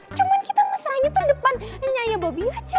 cuman kita mesraannya tuh depan nyaya bobby aja